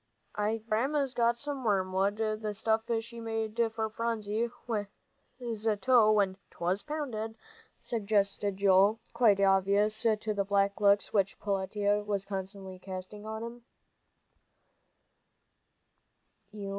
"I guess Grandma's got some wormwood the stuff she made for Phronsie's toe when 'twas pounded," suggested Joel, quite oblivious to the black looks which Peletiah was constantly casting on him.